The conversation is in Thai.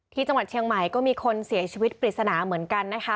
ที่จังหวัดเชียงใหม่ก็มีคนเสียชีวิตปริศนาเหมือนกันนะคะ